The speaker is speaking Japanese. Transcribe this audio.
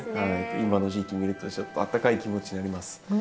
今の時期に見るとちょっとあったかい気持ちになります。